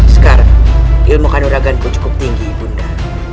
sekarang ilmu kanduraganku cukup tinggi ibu anda